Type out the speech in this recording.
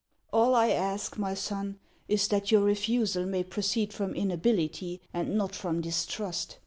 " All I ask, my son, is that your refusal may proceed from inability, and not from distrust.